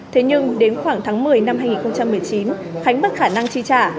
thế nhưng đến khoảng tháng một mươi năm hai nghìn một mươi chín khánh mất khả năng chi trả